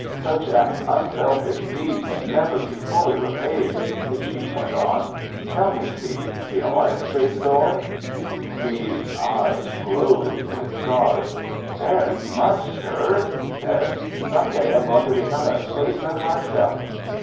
"Such an unselfish deed can never be fully repaid," the chief went on. "Tell me, Steve, do you like space going?" Steve's eyes glowed with stars. "Very much, sir," he said. "Some day I'm going to become a spaceman myself."